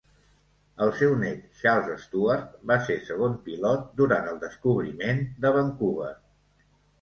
El seu net Charles Stuart va ser segon pilot durant el "descobriment" de Vancouver.